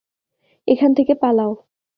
এখান থেকে পালাও।